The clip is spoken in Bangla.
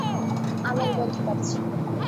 আমের গন্ধ পাচ্ছি।